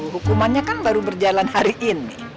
hukumannya kan baru berjalan hari ini